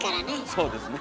そうですね。